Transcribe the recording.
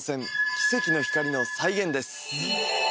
奇跡の光の再現です